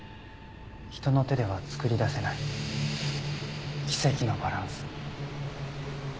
人の手では作り出せない奇跡のバランス。